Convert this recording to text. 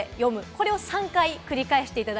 これを３回繰り返します。